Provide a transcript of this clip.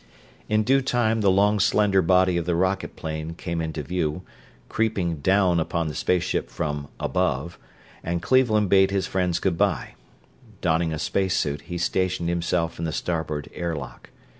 In due time the long, slender body of the rocket plane came into view, creeping 'down' upon the space ship from 'above,' and Cleveland bade his friends good bye. Donning a space suit, he stationed himself in the starboard airlock.